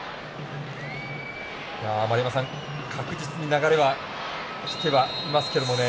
丸山さん、確実に流れはきてはいますけどね。